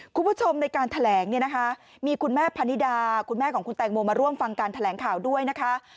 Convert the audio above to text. คุณผู้ชมในการแถลงเนี่ยนะคะมีคุณแม่พนิดาคุณแม่ของคุณแตงโมมาร่วมฟังการแถลงข่าวด้วยนะคะ